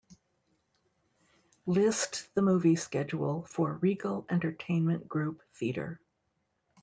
List the movie schedule for Regal Entertainment Group theater.